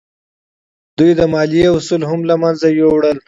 دوی د مالیې اصول هم له منځه یوړل.